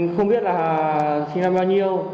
không biết là sinh năm bao nhiêu